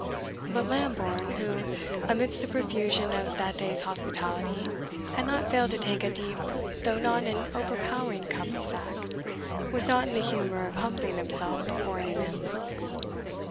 But Lambourne, who, amidst the profusion of that day's hospitality, had not failed to take a deep though not an overpowering cup of sack, was not in the humour of humbling himself before any man's looks.